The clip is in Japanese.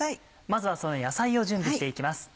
まずはその野菜を準備して行きます。